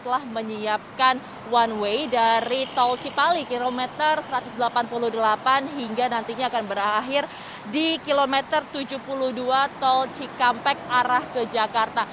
telah menyiapkan one way dari tol cipali kilometer satu ratus delapan puluh delapan hingga nantinya akan berakhir di kilometer tujuh puluh dua tol cikampek arah ke jakarta